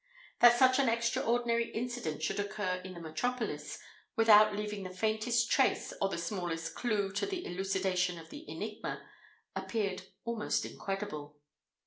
That such an extraordinary incident could occur in the metropolis, without leaving the faintest trace or the smallest clue to the elucidation of the enigma, appeared almost incredible.